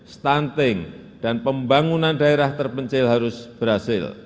stunting dan pembangunan daerah terpencil harus berhasil